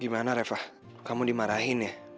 gimana reva kamu dimarahin ya